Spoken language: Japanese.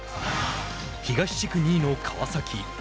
東地区２位の川崎。